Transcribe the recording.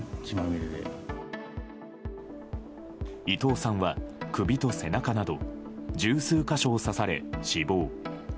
伊藤さんは首と背中など十数か所を刺され死亡。